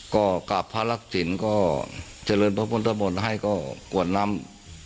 ก็กราบพระรักษิณก็เจริญพระพุทธมนต์ให้ก็กวดน้ำ